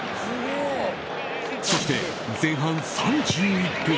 そして前半３１分。